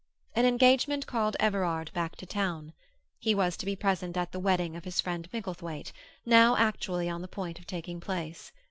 An engagement called Everard back to town. He was to be present at the wedding of his friend Micklethwaite, now actually on the point of taking place.